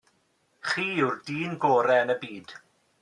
Chi yw'r dyn gorau yn y byd.